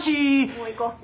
もう行こう。